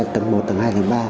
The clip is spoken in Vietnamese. tầng một tầng hai tầng ba